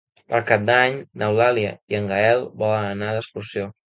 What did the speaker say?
Per Cap d'Any n'Eulàlia i en Gaël volen anar d'excursió.